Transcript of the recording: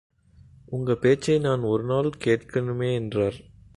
உங்க பேச்சைநான் ஒரு நாள் கேட்கனுமே என்றார்.